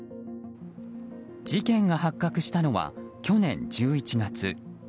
事件が発覚したのは去年１１月。